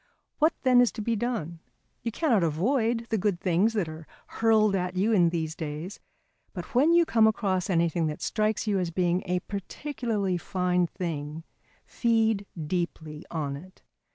What then is to be done? You cannot avoid the good things that are hurled at you in these days, but when you come across anything that strikes you as being a particularly fine thing, feed deeply on it.